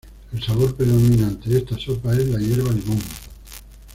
El sabor predominante de esta sopa es la hierba limón.